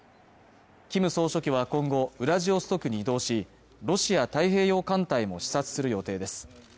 キム総書記は今後ウラジオストクに移動しロシア太平洋艦隊も視察する予定です